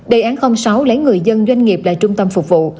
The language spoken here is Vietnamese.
đề án sáu lấy người dân doanh nghiệp là trung tâm phục vụ